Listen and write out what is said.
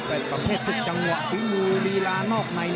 เป็นประเภททุกจังหวะฝีมือลีลานอกใน